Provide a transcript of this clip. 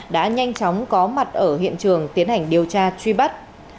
đã nhanh chóng có mặt ở hiện trường tiến hành điều tra truy bắt